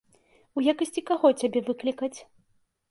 У якасці каго цябе выклікаць?